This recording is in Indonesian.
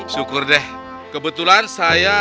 syukur deh kebetulan saya